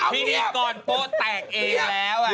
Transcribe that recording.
พี่ก้อนโป้แตกเองแล้ว